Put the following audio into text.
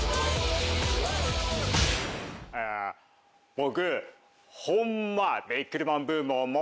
僕。